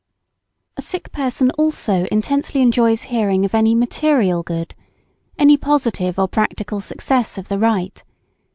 A sick person also intensely enjoys hearing of any material good, any positive or practical success of the right.